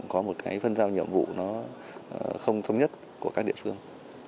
có một phân giao nhiệm vụ không thống nhất của các địa phương